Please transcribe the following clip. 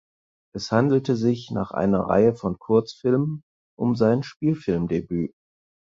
Es handelt sich nach einer Reihe von Kurzfilmen um sein Spielfilmdebüt.